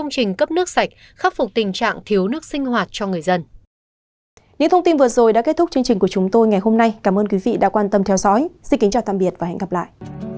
xin kính chào tạm biệt và hẹn gặp lại